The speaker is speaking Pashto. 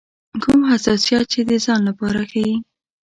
کوم حساسیت چې د ځان لپاره ښيي.